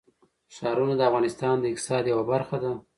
ښارونه د افغانستان د اقتصاد یوه برخه ده.